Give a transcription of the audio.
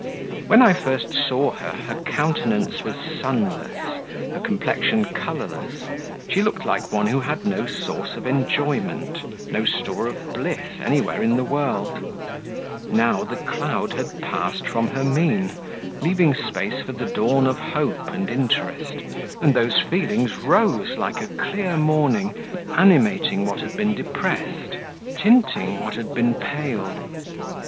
When I first saw her, her countenance was sunless, her complexion colourless; she looked like one who had no source of enjoyment, no store of bliss anywhere in the world; now the cloud had passed from her mien, leaving space for the dawn of hope and interest, and those feelings rose like a clear morning, animating what had been depressed, tinting what had been pale.